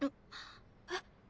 えっ？